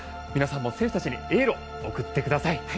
皆さんも選手たちにエールを送ってください。